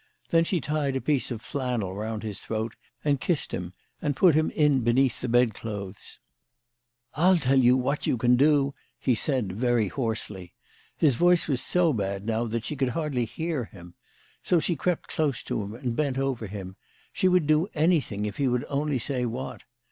Then she tied a piece of flannel round his throat, and kissed him, and put him in beneath the bed clothes. " I'll tell you what you can do," he said very hoarsely. His voice was so bad now that she could hardly hear him. So she crept close to him, and bent over him. She would do anything if he would only say what.